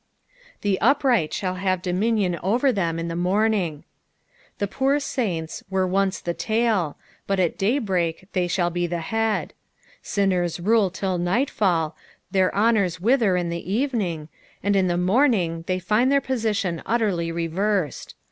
" The vpright Aall Ahm dominion otxr ihem in tie morning," The poor stunts wero once the tail, but at the day break they shaU be the head. Sinners rule till night fall ; their honours wither in the evening, and in the morning they find their position utterly reversed.